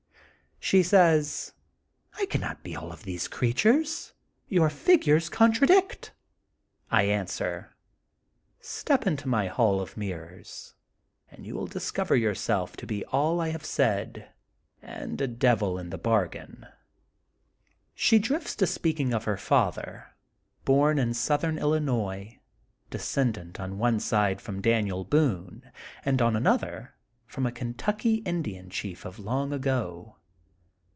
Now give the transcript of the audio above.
She says ^'I cannot be all of those creatures. Your figures contradict. ^^ I answer: ^^Step into my hall of mirrors, and you will discover yourself to be all Ihave said, and a devil in the bargain. '' She drifts to speaking of her father, bom in southern Illinois, descendant on one side from Daniel Boone, and on another from a Kentucky Indian chief of long ago.